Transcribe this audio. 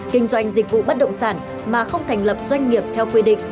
kinh doanh dịch vụ bất động sản mà không thành lập doanh nghiệp theo quy định